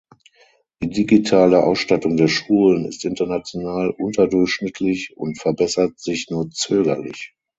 Die digitale Ausstattung der Schulen ist international unterdurchschnittlich und verbessert sich nur zögerlich.